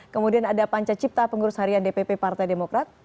kemudian ada panca cipta pengurus harian dpp partai demokrat